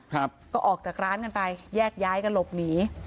ครับก็ออกจากร้านกันไปแยกย้ายกันหลบหนี